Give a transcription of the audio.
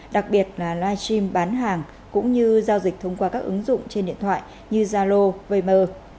đặc biệt là live stream bán hàng cũng như giao dịch thông qua các ứng dụng trên điện thoại như zalo viber